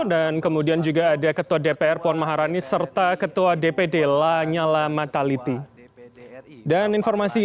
dan kemudian juga ada ketua dpr puan maharani serta ketua dpd lanyala mataliti dan informasi